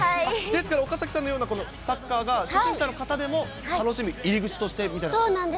ですから岡咲さんのような、サッカーが初心者の方でも、楽しむ入り口としてみたいな？